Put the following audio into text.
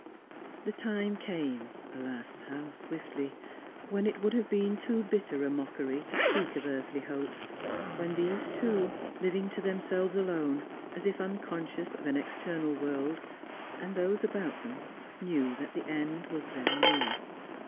The time came — alas, how swiftly !— when it would have been too bitter a mockery to speak of earthly hope, when these two— living to themselves alone, as if unconscious of an ex ternal world — and those about them, knew that the end waa very near.